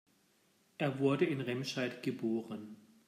Er wurde in Remscheid geboren